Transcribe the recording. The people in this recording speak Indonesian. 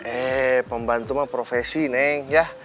eh pembantu mah profesi neng ya